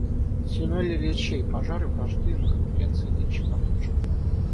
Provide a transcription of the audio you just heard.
Слюной ли речей пожары вражды на конференции нынче затушим?!